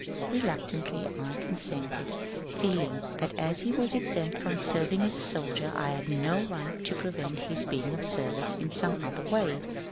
Reluctantly I con sented, feeling that as he was exempt from serving as a soldier I had no right to prevent his being of service in some other way.